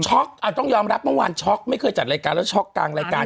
ต้องยอมรับเมื่อวานช็อกไม่เคยจัดรายการแล้วช็อกกลางรายการ